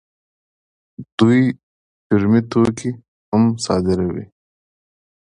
دوی چرمي توکي هم صادروي.